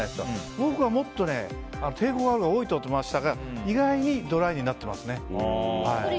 僕はもっと抵抗があるが多いと思いましたが意外に、ドライになってますね。